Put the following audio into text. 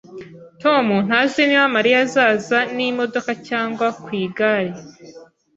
Tom ntazi niba Mariya azaza n'imodoka cyangwa ku igare